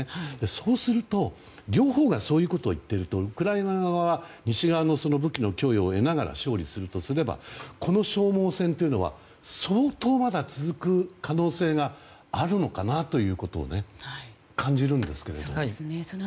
そうすると、両方がそういうことを言っているとウクライナ側は西側からの武器の供与を得ながら勝利するとすればこの消耗戦は相当、まだ続く可能性があるのかなというのを感じるんですが。